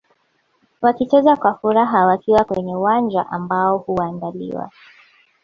Wakicheza kwa furaha wakiwa kwenye uwanja ambao huandaliwa